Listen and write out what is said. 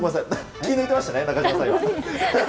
気に入ってましたね、中島さん。